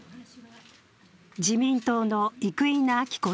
自民党の生稲晃子